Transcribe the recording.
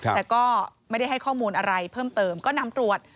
แต่ก็ไม่ได้ให้ข้อมูลอะไรเพิ่มเติมก็นำตรวจ